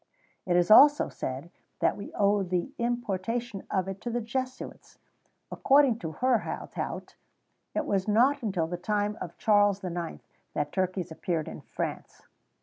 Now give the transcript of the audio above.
It is also said that we owe the importation of it to the Jesuits. According to Hurtaut, it was not until about the time of Charles IX. that turkeys appeared in France.